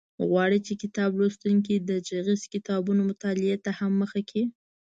غواړو چې کتاب لوستونکي د غږیزو کتابونو مطالعې ته هم مخه کړي.